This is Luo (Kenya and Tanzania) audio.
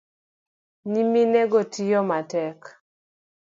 Nyiminego tiyo matek